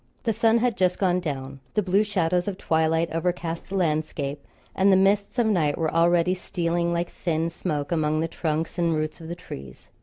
The sun had just gone down. The blue shadows of twilight overcast the landscape, and the mists of night were already stealing like thin smoke among the trunks and roots of the trees.